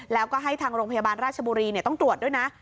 แล้วก็ให้ทางโรงพยาบาลราชบุรีต้องตรวจด้วยนะ